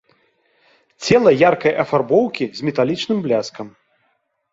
Цела яркай афарбоўкі, з металічным бляскам.